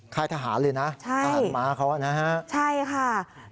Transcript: คลายทหารเลยนะผ่านหมาเขานะฮะนะฮะใช่ใช่ค่ะ